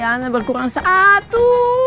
anak berkurang satu